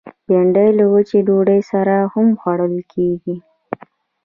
بېنډۍ له وچې ډوډۍ سره هم خوړل کېږي